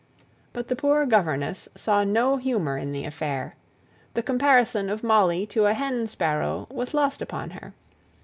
But the poor governess saw no humour in the affair; the comparison of Molly to a hen sparrow was lost upon her.